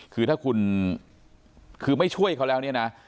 คือถ้าคุณคือไม่ช่วยเขาแล้ว